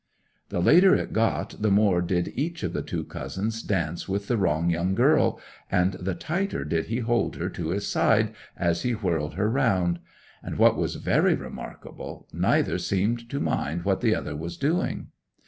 'The later it got the more did each of the two cousins dance with the wrong young girl, and the tighter did he hold her to his side as he whirled her round; and, what was very remarkable, neither seemed to mind what the other was doing.